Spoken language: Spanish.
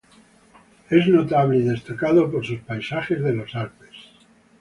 Es notable y destacado por sus paisajes de los Alpes.